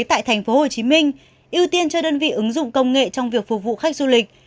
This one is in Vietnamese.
tại tp hcm ưu tiên cho đơn vị ứng dụng công nghệ trong việc phục vụ khách du lịch